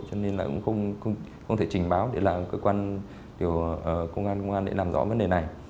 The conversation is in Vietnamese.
cho nên cũng không thể trình báo công an để làm rõ vấn đề này